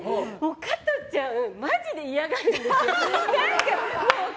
加トちゃんマジで嫌がるんですよ。